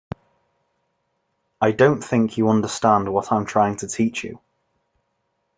I don't think you understand what I'm trying to teach you.